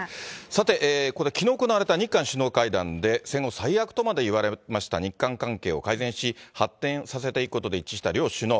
さて、ここできのう行われた日韓首脳会談で、戦後最悪とまでいわれました日韓関係を改善し、発展させていくことで一致した両首脳。